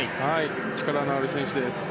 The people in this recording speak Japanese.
力のある選手です。